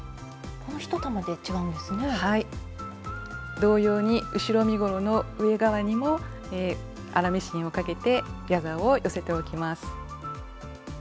同様に後ろ身ごろの上側にも粗ミシンをかけてギャザーを寄せておきます。